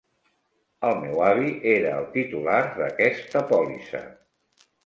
El meu avi era el titular d'aquesta pòlissa.